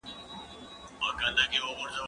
زه کولای سم امادګي ونيسم!؟